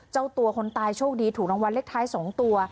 เจ้าตัวคนตายโชคดีถูกรางวัลเลขท้าย๒ตัว